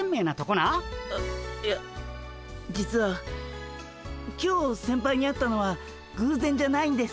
えいや実は今日先輩に会ったのはぐうぜんじゃないんです。